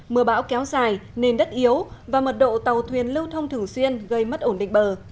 mưa bão kéo dài nền đất yếu và mật độ tàu thuyền lưu thông thường xuyên gây mất ổn định bờ